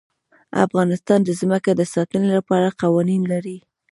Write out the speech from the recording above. افغانستان د ځمکه د ساتنې لپاره قوانین لري.